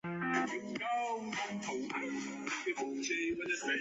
在土耳其护照封页上的标志为单纯的星月图案。